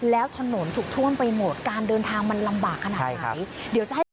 แล้วถนนถูกท่วนไปหมดการเดินทางมันลำบากขนาดไหน